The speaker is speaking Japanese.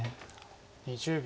２０秒。